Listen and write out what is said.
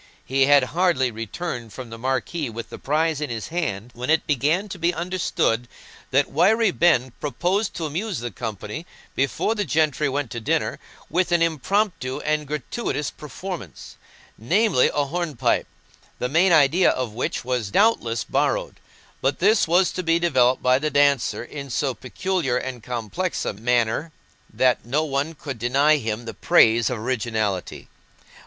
He had hardly returned from the marquee with the prize in his hand, when it began to be understood that Wiry Ben proposed to amuse the company, before the gentry went to dinner, with an impromptu and gratuitous performance—namely, a hornpipe, the main idea of which was doubtless borrowed; but this was to be developed by the dancer in so peculiar and complex a manner that no one could deny him the praise of originality.